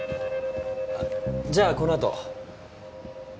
あっじゃあこのあと。